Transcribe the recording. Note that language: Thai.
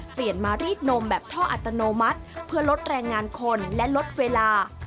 เปลี่ยนมารีดนมแบบท่ออัตโนมัติเพื่อลดแรงงานคนและลดเวลา